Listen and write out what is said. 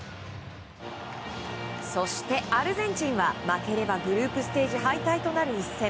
そしてアルゼンチンは負ければ１次リーグ敗退となる一戦。